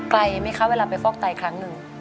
ไกลไหมคะเวลาไปฟอกไตครั้งหนึ่ง